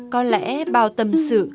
có lẽ bao tâm sự